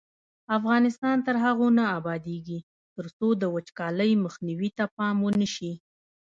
افغانستان تر هغو نه ابادیږي، ترڅو د وچکالۍ مخنیوي ته پام ونشي.